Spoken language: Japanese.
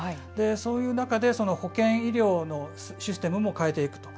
そういう中で保険医療のシステムも変えていくと。